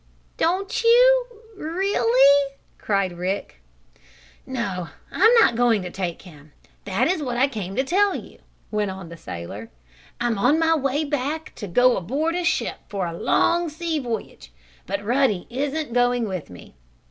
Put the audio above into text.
"Don't you really?" cried Rick. "No, I'm not going to take him. That's what I came to tell you," went on the sailor. "I'm on my way back to go aboard a ship for a long sea voyage, but Ruddy isn't going with me."